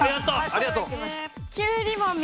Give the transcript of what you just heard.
ありがとう。